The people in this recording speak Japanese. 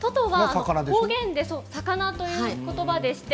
方言で魚という言葉です。